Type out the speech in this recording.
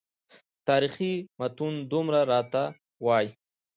تاریخي متون دومره راته وایي.